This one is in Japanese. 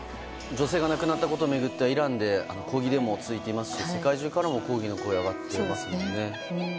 女性が亡くなったことについてイランで抗議デモが続いていますし世界中からも抗議の声が上がっていますね。